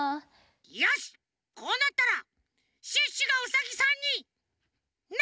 よしこうなったらシュッシュがウサギさんになる！